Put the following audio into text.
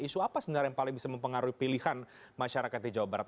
isu apa sebenarnya yang paling bisa mempengaruhi pilihan masyarakat di jawa barat